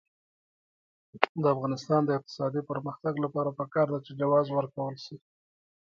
د افغانستان د اقتصادي پرمختګ لپاره پکار ده چې جواز ورکول شي.